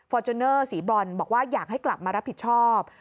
จูเนอร์สีบรอนบอกว่าอยากให้กลับมารับผิดชอบ